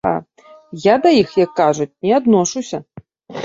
Я да іх, як кажуць, не адношуся.